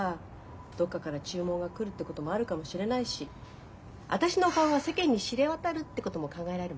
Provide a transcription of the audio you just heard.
どっかから注文が来るってこともあるかもしれないし私の顔が世間に知れ渡るってことも考えられるもんね。